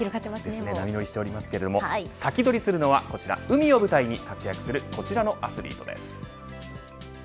波乗りしていますけれどもサキドリするのは、こちら海を舞台に活躍するこちらのアスリートです。